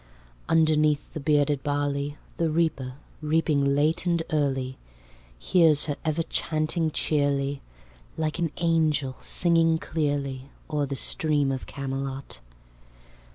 Underneath the bearded barley, The reaper, reaping late and early, Hears her ever chanting cheerly, Like an angel, singing clearly, O'er the stream of Camelot.